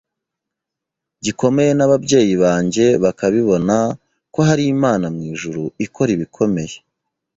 gikomeye n’ababyeyi banjye bakabibona ko hari Imana mu ijuru ikora ibikomeye,